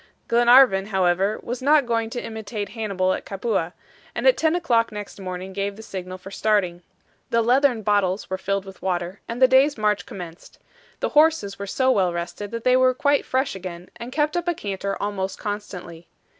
Glenarvan, however, was not going to imitate Hannibal at Capua, and at ten o'clock next morning gave the signal for starting. The leathern bottles were filled with water, and the day's march commenced. The horses were so well rested that they were quite fresh again, and kept up a canter almost constantly.